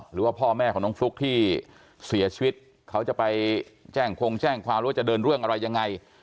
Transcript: หรือว่าพ่อแม่ของน้องฟลุ๊กที่เสียชีวิตเขาจะไปแจ้งคงแจ้งความหรือว่าจะเดินเรื่องอะไรยังไง